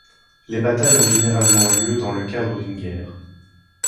Les batailles ont généralement lieu dans le cadre d'une guerre.